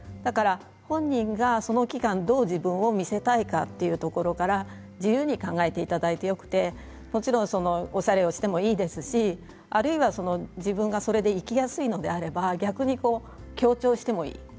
本人がその間、自分をどう見せたいかというところから自由に考えていただきたくてもちろん、おしゃれをしてもいいですしあるいは自分がそれで生きやすいのであれば逆に強調してもいい。